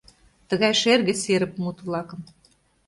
тыгай шерге серып мут-влакым